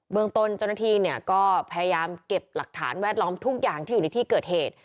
เมืองตนเจ้าหน้าที่เนี่ยก็พยายามเก็บหลักฐานแวดล้อมทุกอย่างที่อยู่ในที่เกิดเหตุ